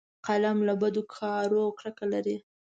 قلم له بدو کارونو کرکه لري